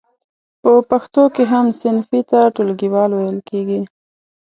په پښتو کې هم صنفي ته ټولګیوال ویل کیږی.